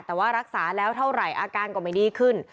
แต่ว่ารักษาแล้วเท่าไหร่อาการก็ไม่ดีขึ้น